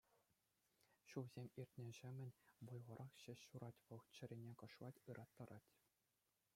Ҫулсем иртнӗҫемӗн вӑйлӑрах ҫеҫ сурать вӑл, чӗрене кӑшлать, ыраттарать.